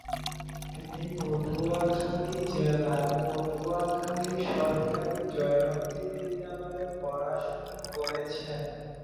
তিনি পটুয়াখালী জেলার পটুয়াখালী সরকারী জয়ন্তী বিদ্যালয়ে পড়াশোনা করেছেন।